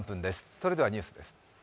それではニュースです。